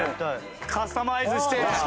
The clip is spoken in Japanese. カスタマイズして。